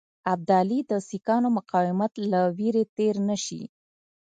ابدالي د سیکهانو مقاومت له وېرې تېر نه شي.